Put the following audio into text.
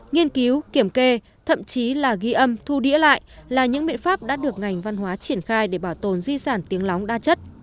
nghiên cứu kiểm kê thậm chí là ghi âm thu đĩa lại là những biện pháp đã được ngành văn hóa triển khai để bảo tồn di sản tiếng lóng đa chất